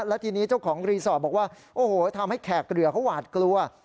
และทีนี้เจ้าของรีสอร์ทบอกว่าโอ้โหทำให้แขกเรือเขาหวาดกลัว